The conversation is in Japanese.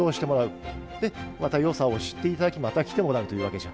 でまたよさを知って頂きまた来てもらうというわけじゃ。